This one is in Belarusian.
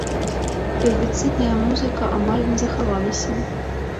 Традыцыйная музыка амаль не захавалася.